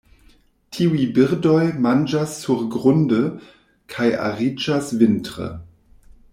Tiuj birdoj manĝas surgrunde, kaj ariĝas vintre.